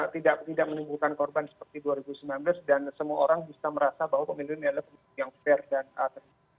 tidak menimbulkan korban seperti dua ribu sembilan belas dan semua orang bisa merasa bahwa pemilu ini adalah pemilu yang fair dan